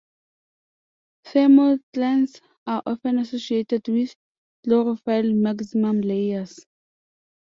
Thermoclines are often associated with chlorophyll maximum layers.